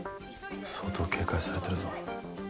相当警戒されてるぞ